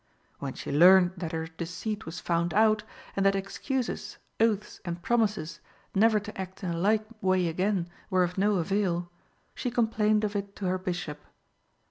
When she learnt that her deceit was found out, and that excuses, oaths, and promises never to act in a like way again were of no avail, she complained of it to her Bishop.